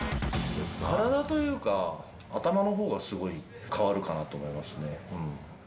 体というか、頭のほうがすごい変わるかなと思いますね。